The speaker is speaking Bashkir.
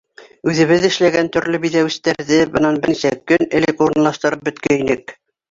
Үҙебеҙ эшләгән төрлө биҙәүестәрҙе бынан бер нисә көн элек урынлаштырып бөткәйнек.